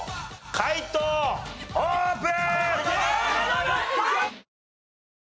解答オープン！